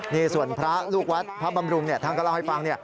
นี่ส่วนพระลูกวัดพระบำรุงท่านก็เล่าให้ฟัง